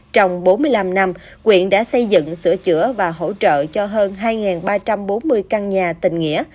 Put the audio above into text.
trong bốn mươi năm năm quyện đã xây dựng sửa chữa và hỗ trợ cho hơn hai ba trăm bốn mươi căn nhà tình nghĩa